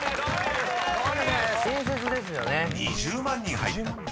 ［２０万人入った］